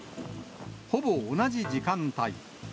ほぼ同じ時間帯。